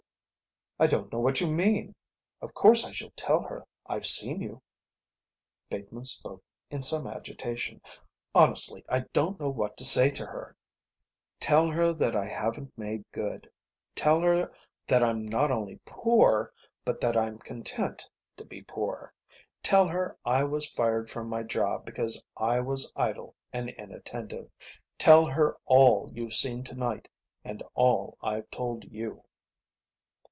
"I don't know what you mean. Of course I shall tell her I've seen you." Bateman spoke in some agitation. "Honestly I don't know what to say to her." "Tell her that I haven't made good. Tell her that I'm not only poor, but that I'm content to be poor. Tell her I was fired from my job because I was idle and inattentive. Tell her all you've seen to night and all I've told you."